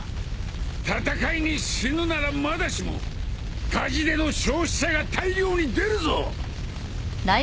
戦いに死ぬならまだしも火事での焼死者が大量に出るぞ！